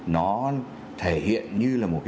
nó thể hiện như là một cái